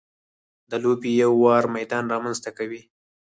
د لوبې یو ه وار میدان رامنځته کوي.